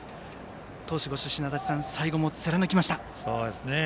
投手ご出身の足達さん最後も貫きました。